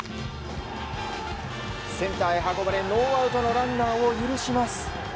センターへ運ばれノーアウトのランナーを許します。